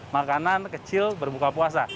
makanan kecil berbuka puasa